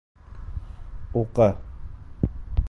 Уҡы!